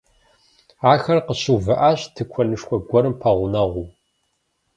Ахэр къыщыувыӏащ тыкуэнышхуэ гуэрым пэгъунэгъуу.